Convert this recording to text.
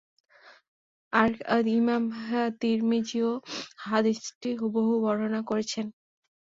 আর ইমাম তিরমিযীও হাদীসটি হুবহু বর্ণনা করেছেন।